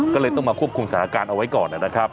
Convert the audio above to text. ก็เลยต้องมาควบคุมสถานการณ์เอาไว้ก่อนนะครับ